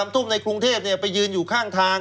ทุ่มในกรุงเทพไปยืนอยู่ข้างทาง